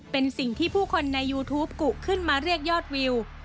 เป็นสิ่งที่ผู้คนในยูทูปกุขึ้นมาเรียกยอดวิว